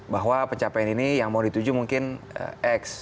bahwa pencapaian ini yang mau dituju mungkin x